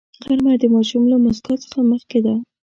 غرمه د ماشوم له موسکا څخه مخکې ده